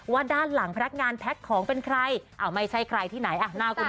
ด้านหลังพนักงานแพ็คของเป็นใครอ้าวไม่ใช่ใครที่ไหนอ่ะหน้าคุณแม่